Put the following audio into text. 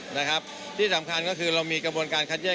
หนึ่งสำคัญะก็คือเรามีกระบวนการคัดแยก